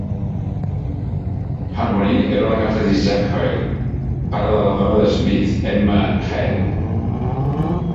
Harmony era la casa d'Isaac Hale, pare de la dona de Smith, Emma Hale.